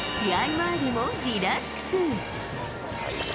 前でもリラックス。